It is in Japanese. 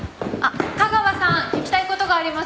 架川さん聞きたい事があります！